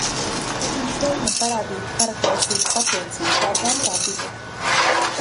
Tak viņš liek man parādīt karaklausības apliecību – tā ir baltā biļete.